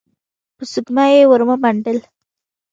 په سږمه يې ور ومنډل.